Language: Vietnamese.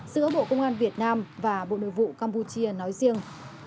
giữa bộ công an việt nam và bộ nội vụ campuchia nói riêng